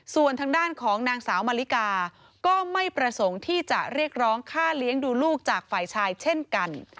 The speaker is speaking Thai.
ส่วนทางด้านของนางสาวมาริกาก็ไม่ประสงค์ที่จะเรียกร้องค่าเลี้ยงดูลูกจากฝ่ายชายเช่นกัน